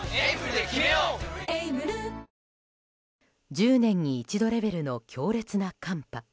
１０年に一度レベルの強烈な寒波。